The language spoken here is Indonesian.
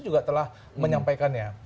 juga telah menyampaikannya